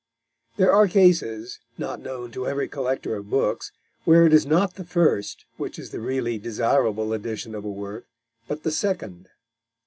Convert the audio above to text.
There are cases, not known to every collector of books, where it is not the first which is the really desirable edition of a work, but the second.